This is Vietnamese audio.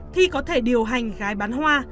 thi có thể điều hành gái bán hoa